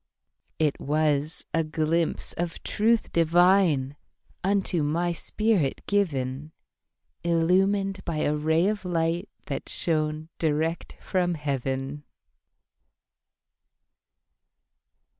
It was a glimpse of truth divineUnto my spirit given, Illumined by a ray of lightThat shone direct from heaven.